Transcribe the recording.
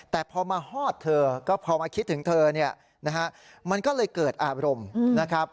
แต่พอมาหอดเธอก็พอมาคิดถึงเธอมันก็เลยเกิดอารมณ์